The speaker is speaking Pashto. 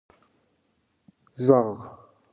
ږغ